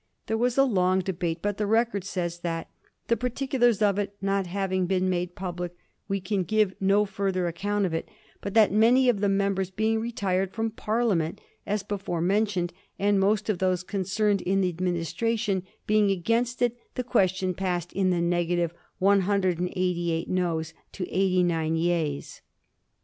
There was a long debate, but the record says that ^Hhe particulars of it not having been made public, we can give no further ac count of it, but that many of the members being retired from Parliament, as before mentioned, and most of those concerned in the Administration being against it, the question passed in the negative, 188 noes to 89 yeas."